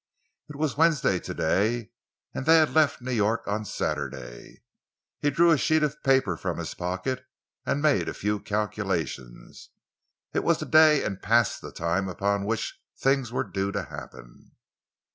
It was Wednesday to day, and they had left New York on Saturday. He drew a sheet of paper from his pocket and made a few calculations. It was the day and past the time upon which things were due to happen....